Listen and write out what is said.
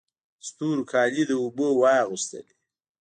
ستورو کالي د اوبو واغوستله